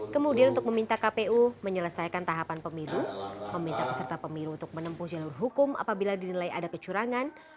kemudian untuk meminta kpu menyelesaikan tahapan pemilu meminta peserta pemilu untuk menempuh jalur hukum apabila dinilai ada kecurangan